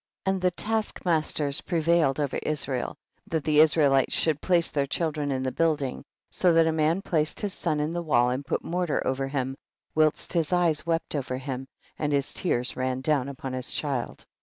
18. And the task masters prevail ed over Israel, that the Israelites should place their children in the building, so that a man placed his son in the wall and put mortar over him, whilst his eyes wept over him, and his tears ran down upon his child.